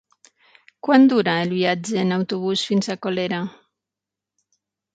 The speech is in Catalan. Quant dura el viatge en autobús fins a Colera?